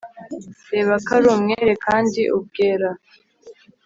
reba ko ari umwere kandi ubwera